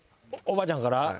おばあちゃんから？